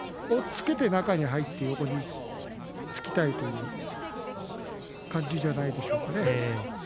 押っつけて中に入って横につきたいという感じじゃないでしょうか。